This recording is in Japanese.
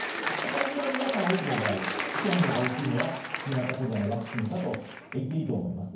大体皆さん多くの場合副反応が大きいのは新型コロナのワクチンかといっていいかと思います。